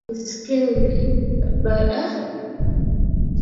bakteria kushika au kugusa bidhaa za wanyama hao na ulaji wa nyama iliyoathirika